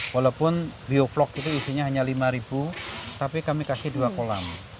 walaupun biovlog itu isinya hanya lima ribu tapi kami kasih dua kolam